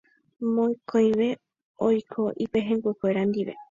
Mokõive oiko ipehẽnguekuéra ndive